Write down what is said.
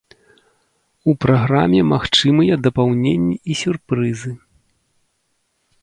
У праграме магчымыя дапаўненні і сюрпрызы.